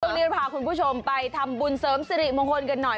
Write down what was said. ช่วงนี้เราพาคุณผู้ชมไปทำบุญเสริมสิริมงคลกันหน่อย